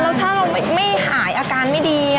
แล้วถ้าเราไม่หายอาการไม่ดี